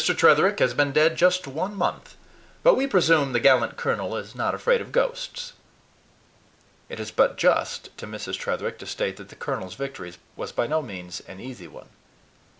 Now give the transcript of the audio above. Tretherick has been dead just one month; but we presume the gallant colonel is not afraid of ghosts." It is but just to Mrs. Tretherick to state that the colonel's victory was by no means an easy one.